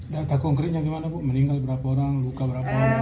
data konkretnya gimana bu meninggal berapa orang luka berapa